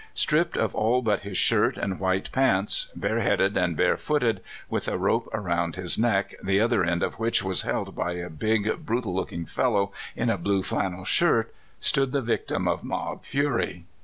Stripped of all but his shirt and white pants, bareheaded and barefooted, with a rope around his neck, the other end of which was held by a big, brutal looking fellow in a blue flannel shirt, stood the victim of mob fury.